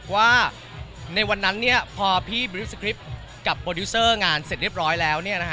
ว่าในวันนั้นพอพี่บริสคริปต์กับโปรดิวเซอร์งานเสร็จเรียบร้อยแล้ว